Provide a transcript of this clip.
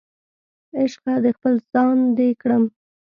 عشقه د خپل ځان دې کړم